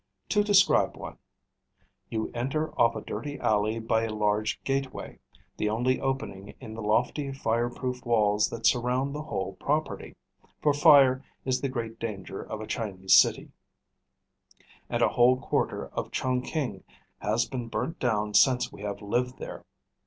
To describe one: You enter off a dirty alley by a large gateway, the only opening in the lofty fire proof walls that surround the whole property; for fire is the great danger of a Chinese city, and a whole quarter of Chungking has been burnt down since we have lived there.